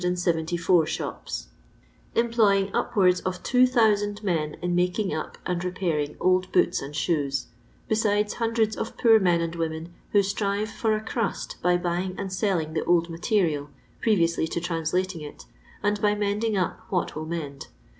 774 shops, ^ploying upwards of 2000 men in making up tnd repairing old boots and shoes ; besides hun dreds of poor men and women who strive for a enist by buying and selling the old material, pre ▼ionsly to translating it, and by mending up what will mend.